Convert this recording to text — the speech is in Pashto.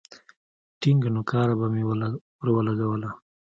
ټينگه نوکاره به مې ورولگوله.